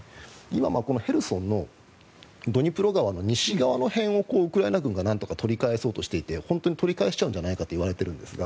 今、ヘルソンのドニプロ川の西側の辺をウクライナ軍がなんとか取り返そうとしていて本当に取り返しちゃうんじゃないかと言われていますが。